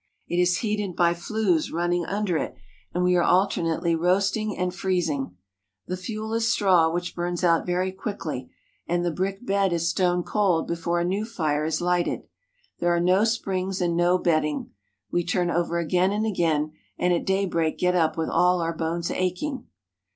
It is heated by flues running under it, and we are alternately roasting and freezing. The fuel is straw, which burns out very quickly, and the brick bed is stone cold before a new fire is lighted. There are no springs and no bedding. We turn over again and again, and at daybreak get up with all our bones aching.